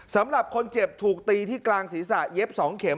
สำหรับคนเจ็บถูกตีที่กลางศีรษะเย็บ๒เข็ม